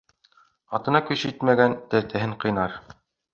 Атына көсө етмәгән тәртәһен ҡыйнар.